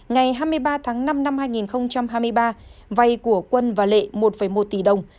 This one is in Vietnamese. ngày hai mươi ba tháng năm năm hai nghìn hai mươi ba vay của quân và lệ một một tỷ đồng